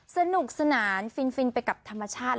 สนุกสนานฟินไปกับธรรมชาติ